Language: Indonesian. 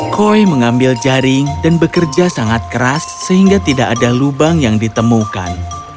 koi mengambil jaring dan bekerja sangat keras sehingga tidak ada lubang yang ditemukan